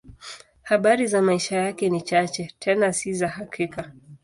Habari za maisha yake ni chache, tena si za hakika.